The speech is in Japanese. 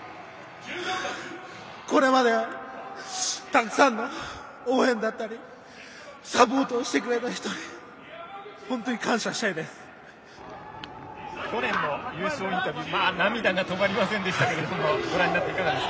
これまでたくさんの応援だったりサポートをしてくれた人に本当に感謝したいです。